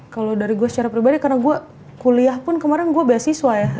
kalau dari gue secara pribadi karena gue kuliah pun kemarin gue beasiswa ya